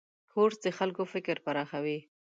کورس د خلکو فکر پراخوي.